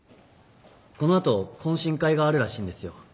この後懇親会があるらしいんですよ。